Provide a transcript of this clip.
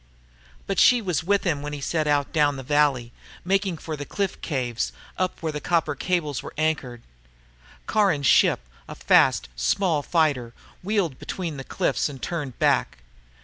But she was with him when he set out down the valley, making for the cliff caves, up where the copper cables were anchored. Caron's ship, a fast, small fighter, wheeled between the cliffs and turned back.